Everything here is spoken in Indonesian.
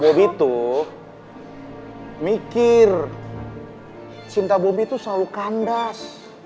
bobi tuh mikir cinta bobi tuh selalu kandas